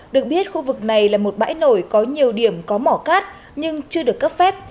được biết khu vực này là một bãi nổi có nhiều điểm có mỏ cát nhưng chưa được cấp phép